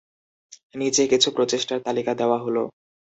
নিচে কিছু প্রচেষ্টার তালিকা দেওয়া হল।